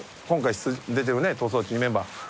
今回出てるね『逃走中』にメンバー。